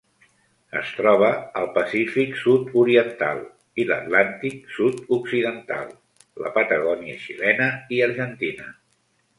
Es troba al Pacífic sud-oriental i l'Atlàntic sud-occidental: la Patagònia xilena i argentina.